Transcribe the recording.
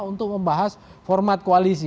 untuk membahas format koalisi